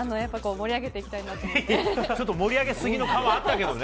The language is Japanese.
盛り上げすぎの感はあったけどね。